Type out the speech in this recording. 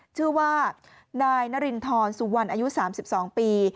ชื่อว่านายนารินทรสุวรรณอายุ๓๒ปี